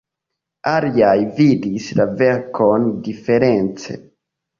Aliaj vidis la verkon diference.